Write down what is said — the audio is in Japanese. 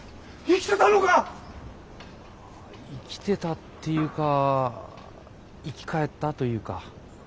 生きてたっていうか生き返ったというか。